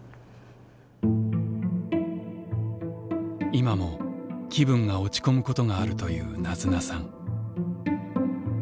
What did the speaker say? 今も気分が落ち込むことがあるというなずなさん。